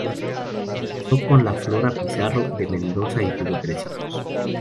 Se casó con Flora Pizarro de Mendoza y tuvo tres hijos.